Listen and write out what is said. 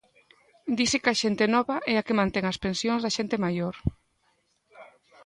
Dise que a xente nova é a que mantén as pensións da xente maior.